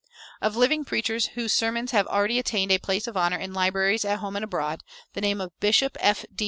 Of living preachers whose sermons have already attained a place of honor in libraries at home and abroad, the name of Bishop F. D.